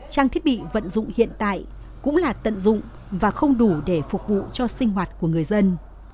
trang thiết bị vận dụng hiện tại cũng là tận dụng và không đủ để phục vụ cho sinh hoạt của người dân